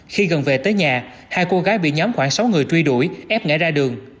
khi gần về tới nhà hai cô gái bị nhóm khoảng sáu người truy đuổi ép ngã ra đường